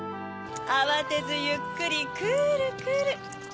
あわてずゆっくりくるくる。